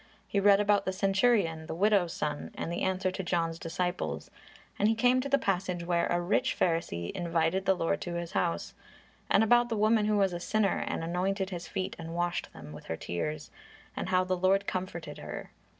He read about the centurion, the widow's son, and the answer to John's disciples, and he came to the passage where a rich Pharisee invited the Lord to his house; and about the woman who was a sinner and anointed His feet and washed them with her tears, and how the Lord comforted her.